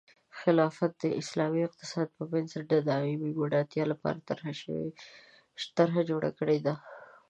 خلافت د اسلامي اقتصاد په بنسټ د دایمي بډایۍ لپاره طرحه جوړه کړې ده.